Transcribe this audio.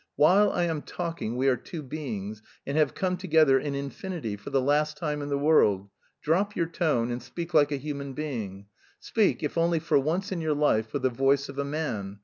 While I am talking... we are two beings, and have come together in infinity... for the last time in the world. Drop your tone, and speak like a human being! Speak, if only for once in your life with the voice of a man.